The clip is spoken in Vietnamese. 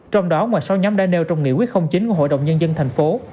trong đó ngoài sau nhóm daniel trong nghị quyết không chính của hội đồng nhân dân thành phố